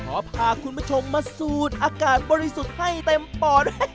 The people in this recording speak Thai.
ขอพาคุณผู้ชมมาสูดอากาศบริสุทธิ์ให้เต็มปอด